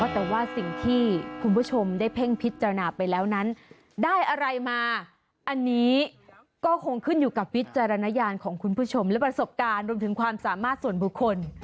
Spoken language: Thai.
แต่ว่าสิ่งที่คุณผู้ชมได้เพ่งพิจารณาไปแล้วนั้นได้อะไรมาอันนี้ก็คงขึ้นอยู่กับวิจารณญาณของคุณผู้ชมและประสบการณ์รวมถึงความสามารถส่วนบุคคล